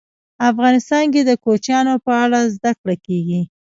افغانستان کې د کوچیانو په اړه زده کړه کېږي.